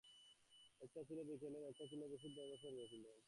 এটা ছিল বিকেলের একটা বিশুদ্ধ অবসর বিনোদন।